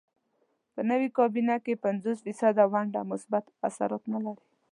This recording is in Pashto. په نوې کابینې کې پنځوس فیصده ونډه مثبت اثرات نه لري.